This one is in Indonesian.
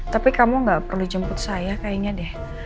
tapi kamu gak perlu jemput saya kayaknya deh